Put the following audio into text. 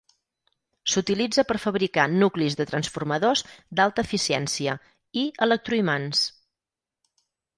S'utilitza per fabricar nuclis de transformadors d'alta eficiència i electroimants.